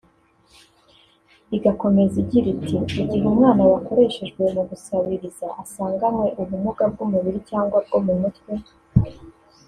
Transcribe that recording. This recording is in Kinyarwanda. Igakomeza igira iti “Igihe umwana wakoreshejwe mu gusabiriza asanganywe ubumuga bw’umubiri cyangwa bwo mu mutwe